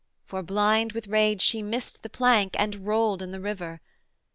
For blind with rage she missed the plank, and rolled In the river.